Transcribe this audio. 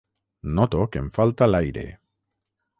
Noto que em falta l'aire.